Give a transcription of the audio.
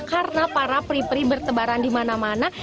karena para peri peri bertebaran di mana mana